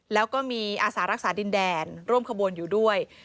แล้วก็มีอาสารักษาดินแดนร่วมขบวนอยู่ด้วย